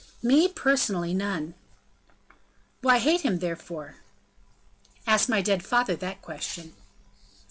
"Me! personally, none." "Why hate him, therefore?" "Ask my dead father that question."